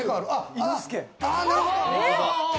伊之助。